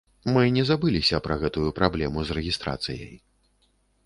Мы не забыліся пра гэтую праблему з рэгістрацыяй.